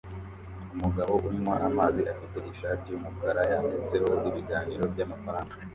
Umugabo unywa amazi afite ishati yumukara yanditseho "ibiganiro byamafaranga"